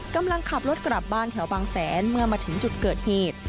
กำลังขับรถกลับบ้านแถวบางแสนเมื่อมาถึงจุดเกิดเหตุ